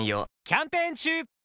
キャンペーン中！